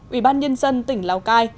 ủy ban nhân dân tỉnh lào cai